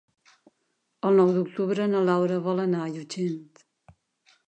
El nou d'octubre na Laura vol anar a Llutxent.